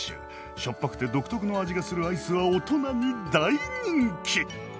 しょっぱくて独特の味がするアイスは大人に大人気！